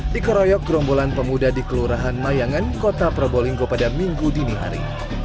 dikeroyok gerombolan pemuda di kelurahan mayangan kota probolinggo pada minggu dini hari